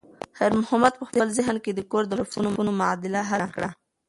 خیر محمد په خپل ذهن کې د کور د مصرفونو معادله حل کړه.